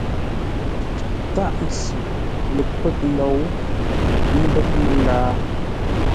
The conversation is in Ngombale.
Tâʼ ntsʉ lə pə́ghʼ ndou, ə́ mbə́ghʼ mə́ngáa.